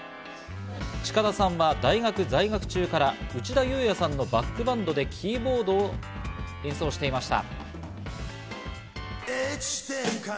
近田さんは大学在学中から内田裕也さんのバックバンドでキーボードを演奏していました。